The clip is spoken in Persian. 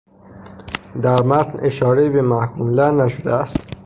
در متن، اشارهای به محکوم له نشده است